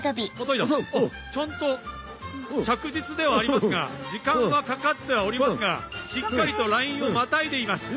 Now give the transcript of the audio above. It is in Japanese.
ちゃんと着実ではありますが時間はかかってはおりますがしっかりとラインをまたいでいます。